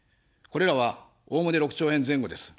これらは、おおむね６兆円前後です。